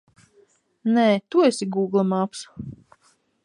Nē, tu esi Gūgle maps!